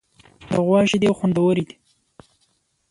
د غوا شیدې خوندورې دي.